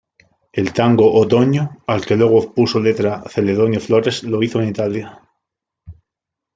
El tango "Otoño", al que luego puso letra Celedonio Flores lo hizo en Italia.